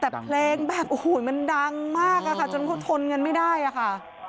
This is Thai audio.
แต่เพลงแบบโอ้โหมันดังมากค่ะจนเขาทนอย่างนั้นไม่ได้ค่ะ